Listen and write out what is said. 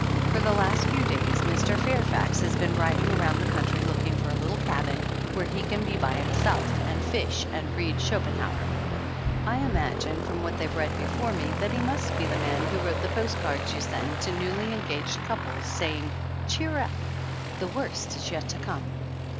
For the last few days Mr. Fairfax has been riding around the country looking for a little cabin where he can be by himself and fish and read Schopenhauer. I imagine from what they've read before me that he must be the man who wrote the post cards you send to newly engaged couples saying, "Cheer up! The worst is yet to come!"